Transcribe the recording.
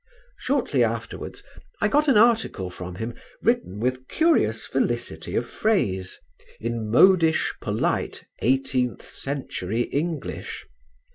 Shortly afterwards I got an article from him written with curious felicity of phrase, in modish polite eighteenth century English.